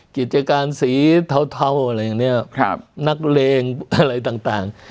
กิจการสีเทาอะไรอย่างนี้นักเลงอะไรต่าง